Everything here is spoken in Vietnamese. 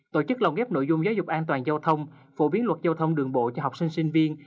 tổ chức lồng ghép nội dung giáo dục an toàn giao thông phổ biến luật giao thông đường bộ cho học sinh sinh viên